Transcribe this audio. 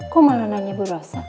kok malah nanya bu rosa